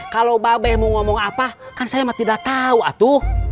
kalau babah mau ngomong apa kan saya mah tidak tahu tuh